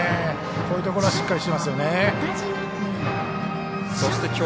こういうところはしっかりしてますよね。